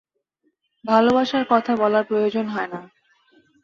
ভালবাসার কথা বলার প্রয়োজন হয় না।